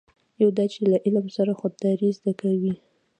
یو دا چې له علم سره خودداري زده کوي.